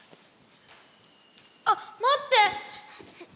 あっまって！